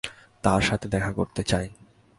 তার সাথে দেখা করতে চাই।